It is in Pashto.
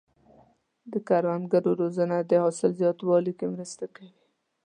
د کروندګرو روزنه د حاصل زیاتوالي کې مرسته کوي.